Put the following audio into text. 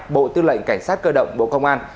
bộ tư lệnh cảnh sát cơ động bộ công an